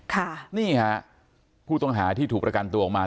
ค่ะนี่ฮะผู้ต้องหาที่ถูกประกันตัวออกมา